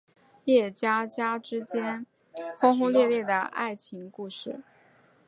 叶家家之间轰轰烈烈的爱情故事。